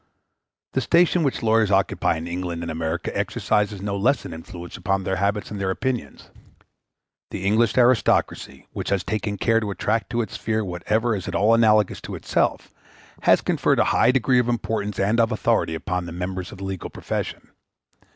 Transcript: The station which lawyers occupy in England and America exercises no less an influence upon their habits and their opinions. The English aristocracy, which has taken care to attract to its sphere whatever is at all analogous to itself, has conferred a high degree of importance and of authority upon the members of the legal profession.